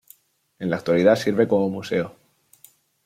En la actualidad sirve como museo.